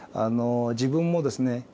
自分もですね